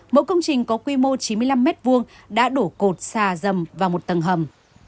mỗi công trình có quy mô chín mươi năm m hai đã đổ cột xà dầm vào một tầng hầm